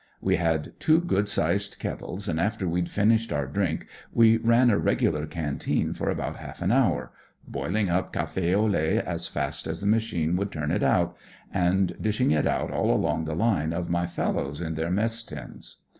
We had two good sized kettles, and after we'd finished our drink we ran a regular canteen for about half an hour ; boiling up caf6 au lait as fast as the machine would turn it out, and dish ing it out all along the line of my fello\^ % in their mess tins.